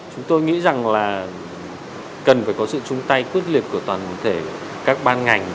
chúng tôi nghĩ rằng là cần phải có sự chung tay quyết liệt của toàn thể các ban ngành